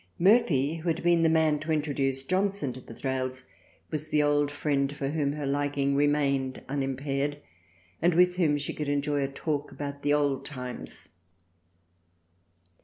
Murphy who had been the man to introduce Johnson to the Thrale's was the old friend for whom her liking remained unimpaired and with whom she could enjoy a talk about old times.